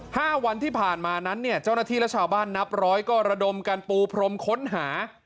ห้าวันที่ผ่านมานั้นเนี่ยเจ้าหน้าที่และชาวบ้านนับร้อยก็ระดมกันปูพรมค้นหา